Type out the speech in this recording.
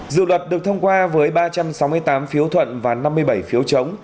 dự luật được thông qua với ba trăm sáu mươi tám phiếu thuận và năm mươi bảy phiếu chống